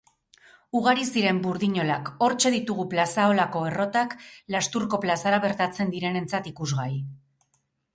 Ugari ziren burdinolak, hortxe ditugu Plazaolako errotak Lasturko plazara bertatzen direnentzat ikusgai